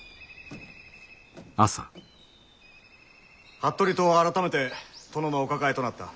服部党は改めて殿のお抱えとなった。